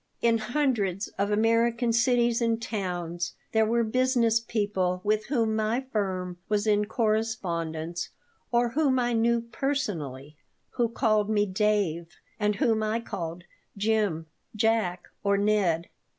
In hundreds of American cities and towns there were business people with whom my firm was in correspondence or whom I knew personally, who called me Dave and whom I called Jim, Jack, or Ned.